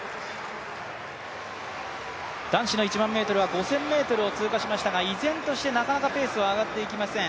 男子の１００００ｍは５０００ｍを通過しましたが、依然としてなかなかペースが上がっていきません。